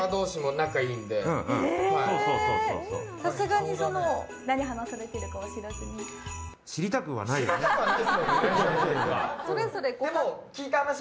さすがに何を話してるかとか知らずに。